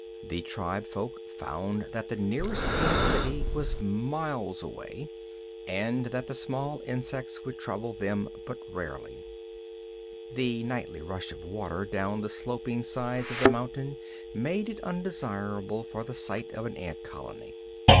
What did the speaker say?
The tribefolk found that the nearest ant city was miles away, and that the small insects would trouble them but rarely. (The nightly rush of water down the sloping sides of the mountain made it undesirable for the site of an ant colony.)